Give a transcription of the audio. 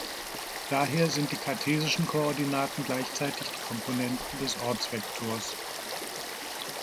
Daher sind die kartesischen Koordinaten gleichzeitig die Komponenten des Ortsvektors.